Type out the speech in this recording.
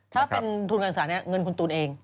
ถ้าเป็นทุนการสารเนี่ยเงินคุณตูนเอง